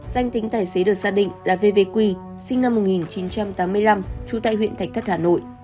danh tính tài xế được xác định là vv quy sinh năm một nghìn chín trăm tám mươi năm trú tại huyện thạch thất hà nội